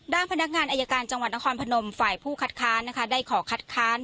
พนักงานอายการจังหวัดนครพนมฝ่ายผู้คัดค้านนะคะได้ขอคัดค้าน